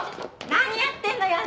何やってんのよ？